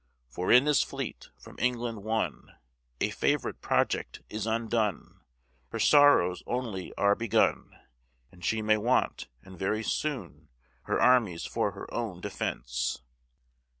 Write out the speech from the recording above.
For, in this fleet, from England won, A favorite project is undone; Her sorrows only are begun And she may want, and very soon, Her armies for her own defence.